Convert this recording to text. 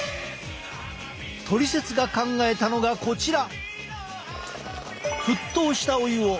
「トリセツ」が考えたのがこちら。